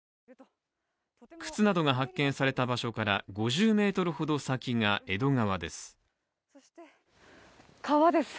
靴などが発見された場所から５０ｍほど先が江戸川です。